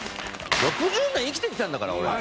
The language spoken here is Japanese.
６０年生きてきたんだから俺は。